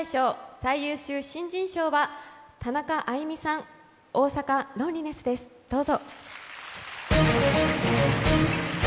最優秀新人賞は田中あいみさん、「大阪ロンリネス」です、どうぞ。